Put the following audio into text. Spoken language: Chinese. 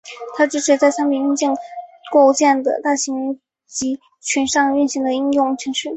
它支持在商品硬件构建的大型集群上运行的应用程序。